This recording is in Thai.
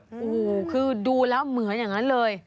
โอ้โหคือดูแล้วเหมือนอย่างนั้นเลย